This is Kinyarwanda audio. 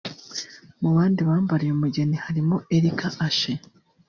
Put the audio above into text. Mu bandi bambariye umugeni harimo Erica Ashe